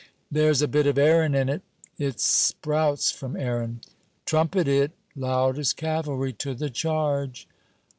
'There's a bit of Erin in it.' 'It sprouts from Erin.' 'Trumpet it.' 'Loud as cavalry to the charge!'